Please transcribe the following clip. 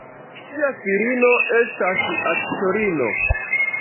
Ŝia filino estas aktorino.